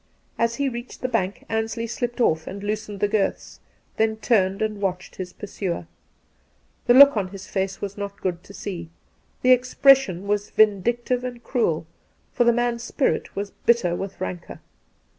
As he reached the bank Ansley slipped off and loosened the girths, then turned and watched his pursuer. The look on his face was not good to see : the expression was vindictive and cruel, for the man's spirit was bitter with rancour.